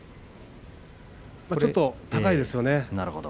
ちょっと高いですよね。